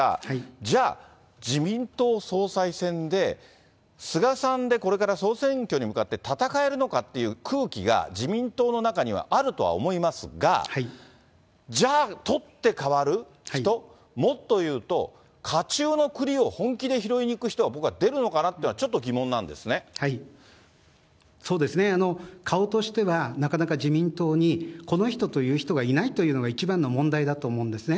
じゃあ、自民党総裁選で、菅さんでこれから総選挙に向かって戦えるのかっていう空気が、自民党の中にはあるとは思いますが、じゃあ、取って代わる人、もっと言うと、火中の栗を本気で拾いに行く人が僕は出るのかなっていうのは、そうですね、顔としては、なかなか自民党に、この人という人がいないというのが、一番の問題だと思うんですね。